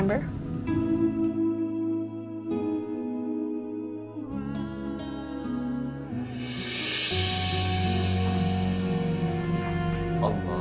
masa untuk acara